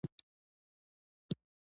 په دې وخت کې نورې بي بي او کنیزې را پیدا شوې.